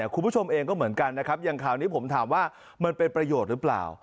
คุณผู้ชมเองก็เหมือนกันนะครับอย่างข่าวนี้ผมถามว่ามันเป็นประโยชน์หรือเปล่า